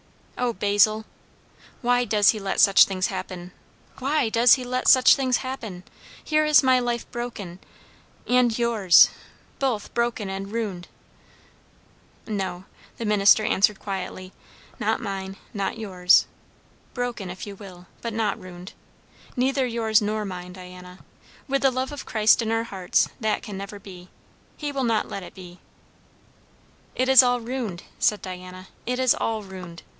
"O Basil! why does he let such things happen? why does he let such things happen? Here is my life broken and yours; both broken and ruined." "No," the minister answered quietly, "not mine, nor yours. Broken, if you will, but not ruined. Neither yours nor mine, Diana. With the love of Christ in our hearts, that can never be. He will not let it be." "It is all ruined," said Diana; "it is all ruined.